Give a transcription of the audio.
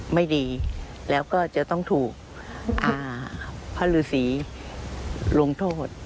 ไม่ดีแล้วก็จะต้องถูกพระฤษีลงโทษ